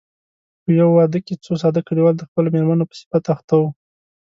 په يوه واده کې څو ساده کليوال د خپلو مېرمنو په صفت اخته وو.